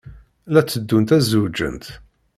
La tteddunt ad zewǧent.